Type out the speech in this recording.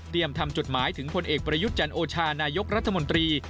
ทำจดหมายถึงพลเอกประยุทธ์จันโอชานายกรัฐมนตรี